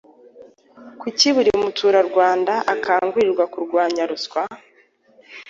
Kuki buri muturarwanda akangurirwa kurwanya ruswa?